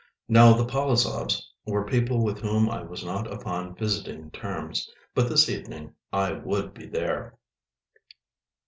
Now the Polozovs were people with whom I was not upon visiting terms. But this evening I would be there.